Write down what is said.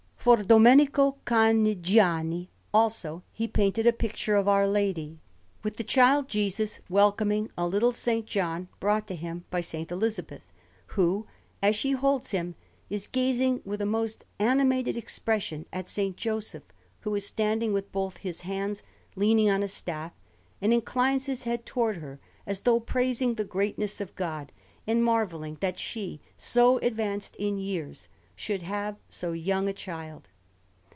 For Domenico Canigiani, also, he painted a picture of Our Lady, with the Child Jesus welcoming a little S. John brought to Him by S. Elizabeth, who, as she holds him, is gazing with a most animated expression at a S. Joseph, who is standing with both his hands leaning on a staff, and inclines his head towards her, as though praising the greatness of God and marvelling that she, so advanced in years, should have so young a child.